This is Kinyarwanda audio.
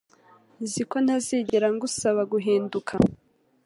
Uzi ko ntazigera ngusaba guhinduka